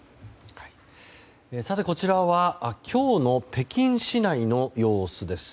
こちらは今日の北京市内の様子です。